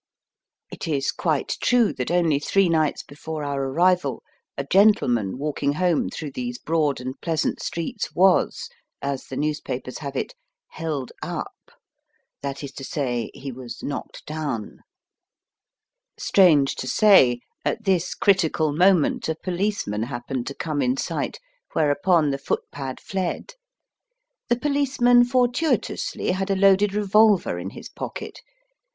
It is quite true that only three nights before our arrival a gentleman walking home through these broad and pleasant streets was, as the newspapers have it, '* held up "— that is to say, he was knocked down. Strange Digitized by VjOOQIC iUl iLUJLl IN THE BOCKY MOUNTAINS. 67 to say, at this critical moment a policeman happened to come in sight, whereupon the foot pad fled. The policeman fortuitously had a loaded revolver in his pocket.